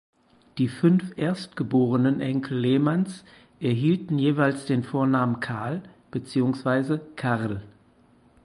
Die fünf erstgeborenen Enkel Lehmanns erhielten jeweils den Vornamen Carl beziehungsweise Karl.